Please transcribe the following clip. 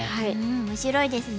面白いですね。